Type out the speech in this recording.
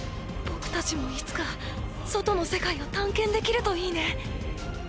僕たちもいつか外の世界を探検できるといいね。